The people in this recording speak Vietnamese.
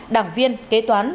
đảng viên kế toán